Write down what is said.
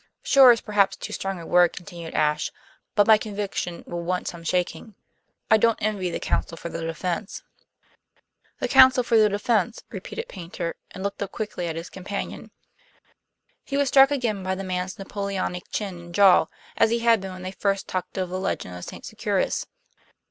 "Sure is perhaps too strong a word," continued Ashe. "But my conviction will want some shaking. I don't envy the counsel for the defense." "The counsel for the defense," repeated Paynter, and looked up quickly at his companion. He was struck again by the man's Napoleonic chin and jaw, as he had been when they first talked of the legend of St. Securis.